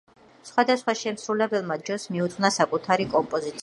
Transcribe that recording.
სხვადასხვა შემსრულებელმა ჯოს მიუძღვნა საკუთარი კომპოზიციები.